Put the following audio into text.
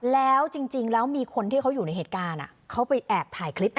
แล้วจริงแล้วมีคนที่เขาอยู่ในเหตุการณ์เขาไปแอบถ่ายคลิป